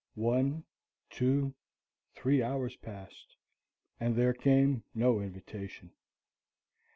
One, two, three hours passed, and there came no invitation.